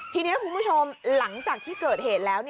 ทีนี้คุณผู้ชมหลังจากที่เกิดเหตุแล้ว